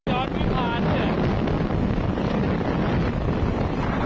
ย้อนไม่ผ่านเนี่ย